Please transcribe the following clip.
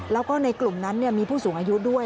แล้วก็ในกลุ่มนั้นมีผู้สูงอายุด้วย